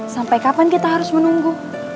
sampai kapan kita harus menunggu